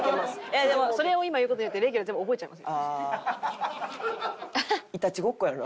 いやでもそれを今言う事によってレギュラー全部覚えちゃいますよ。